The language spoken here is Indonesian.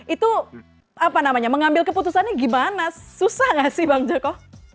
itu apa namanya mengambil keputusannya gimana susah nggak sih bang joko